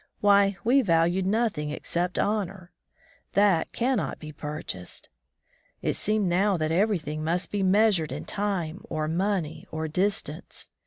Why, we valued nothing except honor; that cannot be purchased! It seemed now that every thing must be measured in time or money or distance.